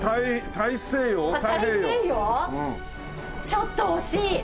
ちょっと惜しい。